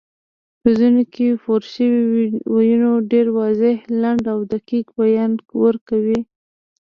په ځینو کې پورشوي ویونه ډېر واضح، لنډ او دقیق بیان ورکوي